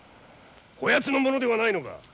こやつの物ではないのか！？